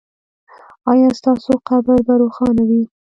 ایا ستاسو قبر به روښانه وي؟